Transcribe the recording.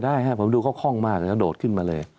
ผมเดี่ยวเขาคล่องมากและมันกำลังกระโดดขึ้นมาเลย